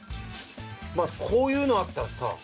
まあこういうのあったらさ。